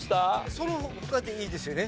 そのほかでいいですよね？